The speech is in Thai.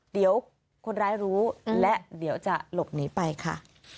เดี๋ยวคนร้ายรู้และเดี๋ยวจะหลบหนีไปค่ะ